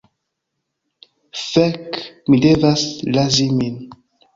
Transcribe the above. Fek' mi devas razi min